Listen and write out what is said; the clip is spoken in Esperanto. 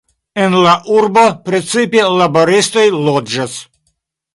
En la urbo precipe laboristoj loĝas.